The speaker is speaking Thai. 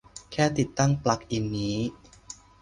แค่ติดตั้งปลั๊กอินนี้